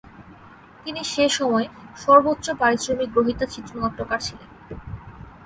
তিনি সে সময়ে সর্বোচ পারিশ্রমিক গ্রহীতা চিত্রনাট্যকার ছিলেন।